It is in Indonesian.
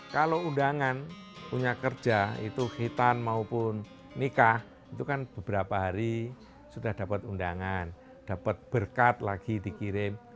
kalau undangan punya kerja itu hitan maupun nikah itu kan beberapa hari sudah dapat undangan dapat berkat lagi dikirim